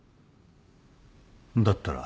だったら。